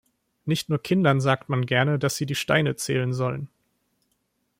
Nicht nur Kindern sagt man gerne, dass sie die Steine zählen sollen.